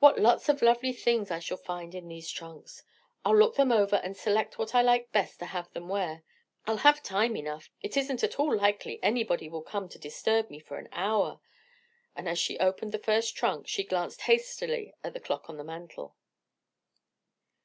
What lots of lovely things I shall find in these trunks; I'll look them over and select what I like best to have them wear. I'll have time enough: it isn't at all likely anybody will come to disturb me for an hour:" and as she opened the first trunk, she glanced hastily at the clock on the mantel.